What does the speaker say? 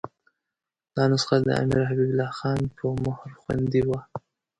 دا نسخه د امیر حبیب الله خان په مهر خوندي وه.